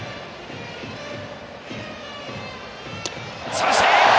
三振！